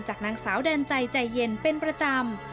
นางสาวแดนใจใจเย็นเป็นประจำ